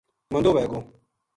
مندو وھے گو ؟